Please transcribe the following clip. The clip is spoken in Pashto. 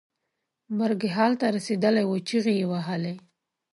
مرګ حال ته رسېدلی و چغې یې وهلې.